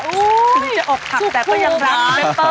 อุ้ยออกขับแต่ก็ยังรักเมนเตอร์